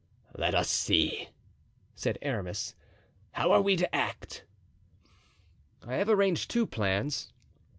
"Let us see," said Aramis, "how are we to act?" "I have arranged two plans.